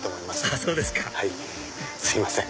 あそうですかすいません。